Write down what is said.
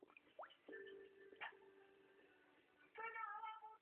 Svůj výkon tedy snižuje.